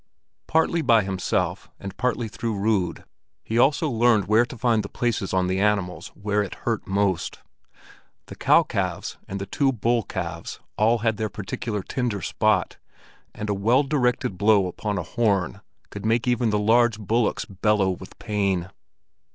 Partly by himself, and partly through Rud, he also learned where to find the places on the animals where it hurt most. The cow calves and the two bull calves all had their particular tender spot, and a well directed blow upon a horn could make even the large bullocks bellow with pain.